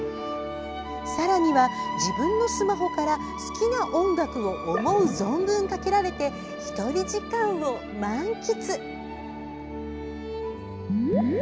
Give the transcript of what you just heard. さらには、自分のスマホから好きな音楽を思う存分かけられて１人時間を満喫。